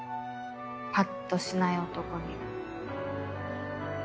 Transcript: ぱっとしない男に。